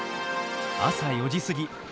朝４時過ぎ。